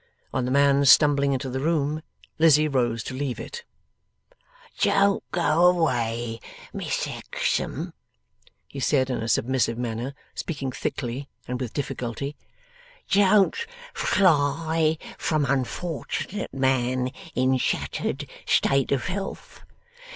On the man's stumbling into the room, Lizzie rose to leave it. 'Don't go away, Miss Hexam,' he said in a submissive manner, speaking thickly and with difficulty. 'Don't fly from unfortunate man in shattered state of health.